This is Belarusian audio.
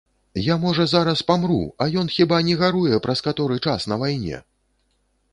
Я, можа, зараз памру, а ён хіба не гаруе, праз каторы час на вайне?!